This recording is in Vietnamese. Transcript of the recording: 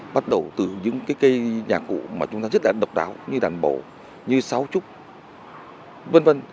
bắt đầu từ những cái cây nhạc cụ mà chúng ta rất là độc đáo như đàn bổ như sáu trúc v v